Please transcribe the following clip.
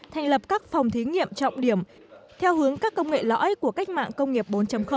thành lập các phòng thí nghiệm trọng điểm theo hướng các công nghệ lõi của cách mạng công nghiệp bốn